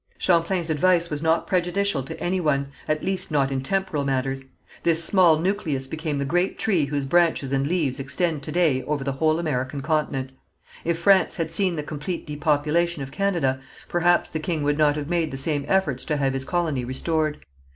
Champlain's advice was not prejudicial to any one, at least not in temporal matters. This small nucleus became the great tree whose branches and leaves extend to day over the whole American continent. If France had seen the complete depopulation of Canada, perhaps the king would not have made the same efforts to have his colony restored.